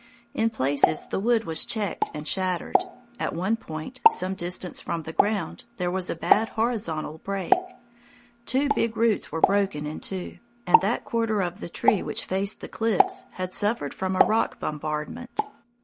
In places the wood was checked and shattered. At one point, some distance from the ground, there was a bad horizontal break. Two big roots were broken in two, and that quarter of the tree which faced the cliffs had suffered from a rock bombardment.